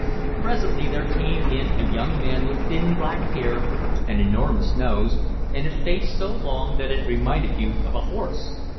Presently there came in a young man with thin, black hair, an enormous nose, and a face so long that it reminded you of a horse.